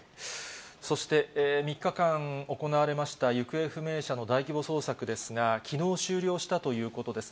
そして３日間行われました、行方不明者の大規模捜索ですが、きのう終了したということです。